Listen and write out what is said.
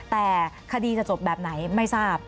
แต่คดีจะจบแบบไหนไม่ทราบ